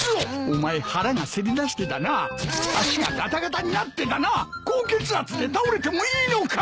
お前腹がせり出してだな足がガタガタになってだな高血圧で倒れてもいいのか！